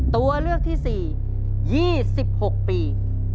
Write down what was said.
ตัวเลือกที่๔๒๖ปี